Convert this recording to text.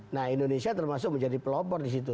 nah indonesia termasuk menjadi pelopor di situ